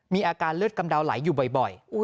มีอาการเลือดกำเดาไหลอยู่บ่อย